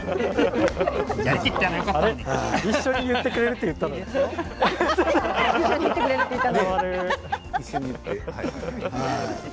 一緒に言ってくれると言ったのに。